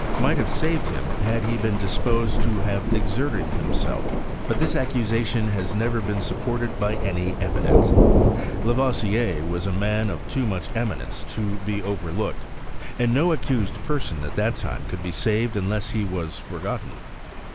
ici^iit hsive saved him had he l>ef^n 6\s\^jvA Xfj have exerted himself. But dui arx'<j«ation ha.9 never been snppDited by any efi dtuf'^. Lavoisier was a man ot too mach eminence to \m: overlooked, and no accused person at diafc time could be saved unless he was forgotten.